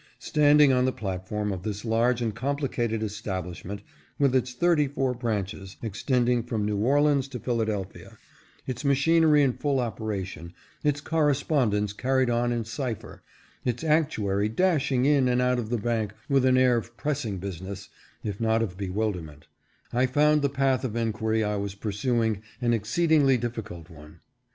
Standing on the platform of this large and complicated establishment, with its thirty four branches, extending from New Orleans to Philadelphia, its machinery in full operation, its correspondence carried on in cipher, its actuary dashing in and out of the bank with an air of pressing business, if not of bewilderment, I found the path of enquiry I was pursuing an exceedingly difficult one.